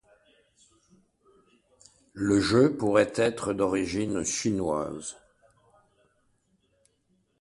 Le jeu pourrait être d'origine chinoise.